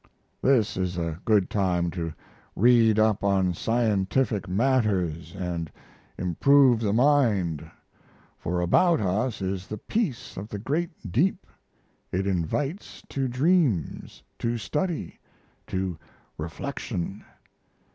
This is a good time to read up on scientific matters and improve the mind, for about us is the peace of the great deep. It invites to dreams, to study, to reflection.